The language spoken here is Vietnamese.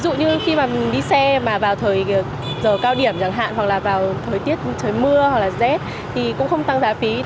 ví dụ như khi mà đi xe mà vào thời giờ cao điểm chẳng hạn hoặc là vào thời tiết trời mưa hoặc là rét thì cũng không tăng giá phí